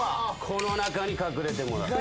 この中に隠れてもらう。